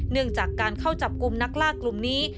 เนื่องจากการเข้าจับกลุ่มนักล่ากลุ่มนี้